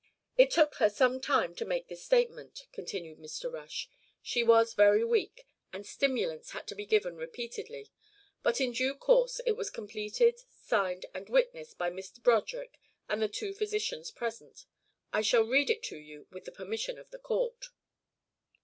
"It took her some time to make this statement," continued Mr. Rush. "She was very weak, and stimulants had to be given repeatedly. But in due course it was completed, signed, and witnessed by Mr. Broderick and the two physicians present. I shall read it to you with the permission of the court."